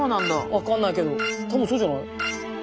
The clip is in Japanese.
分かんないけど多分そうじゃない？